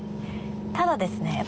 ただですね